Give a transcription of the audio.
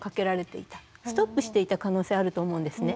ストップしていた可能性あると思うんですね。